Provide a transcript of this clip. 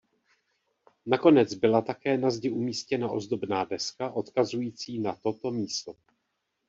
Nakonec byla také na zdi umístěna ozdobná deska odkazující na toto místo.